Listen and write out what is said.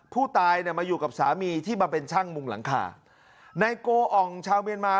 ผู้ตายเนี่ยมาอยู่กับสามีที่มาเป็นช่างมุงหลังคานายโกอ่องชาวเมียนมา